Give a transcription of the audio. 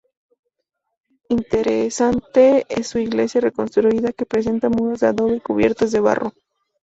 Interesante es su iglesia reconstruida, que presenta muros de adobe cubiertas de barro.